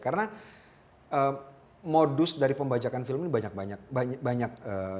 karena modus dari pembajakan film ini banyak banyak